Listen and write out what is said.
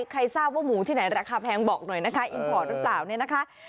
ใครทราบว่าหมูที่ไหนราคาแพงบอกหน่อยนะคะอิมพอร์ตหรือเปล่าเนี่ยนะคะ